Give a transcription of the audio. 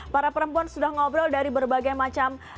para perempuan sudah ngobrol dari berbagai macam